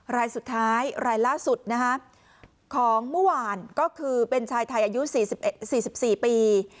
รายสุดท้ายรายล่าสุดของเมื่อวานก็คือเป็นชายไทยอายุ๔๔ปี